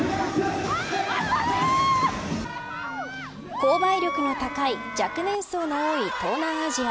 購買力の高い若年層の多い東南アジア。